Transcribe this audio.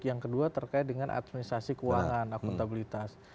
yang kedua terkait dengan administrasi keuangan akuntabilitas